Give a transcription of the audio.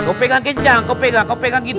kau pegang kencang kau pegang kau pegang gitu